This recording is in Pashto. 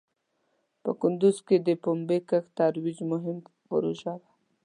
په کندوز کې د پومبې کښت ترویج مهم پروژه وه.